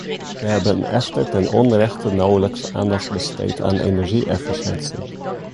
We hebben echter ten onrechte nauwelijks aandacht besteed aan energie-efficiëntie.